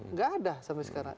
nggak ada sampai sekarang